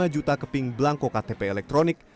dua lima juta keping belangko ktp elektronik